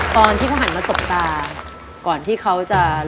ตอนที่เขาหัดมาซบตา